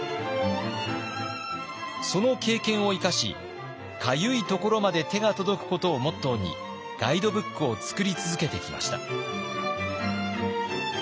その経験を生かしかゆいところまで手が届くことをモットーにガイドブックを作り続けてきました。